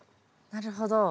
なるほど。